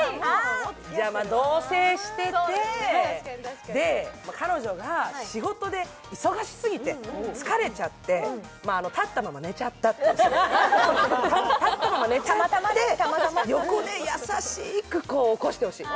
じゃ、同せいしてて、彼女が仕事で忙しすぎて疲れちゃって立ったまま寝ちゃって、横で優しく起こしてほしい。